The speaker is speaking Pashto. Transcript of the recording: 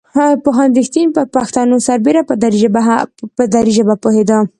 پوهاند رښتین پر پښتو سربېره په دري ژبه پوهېده.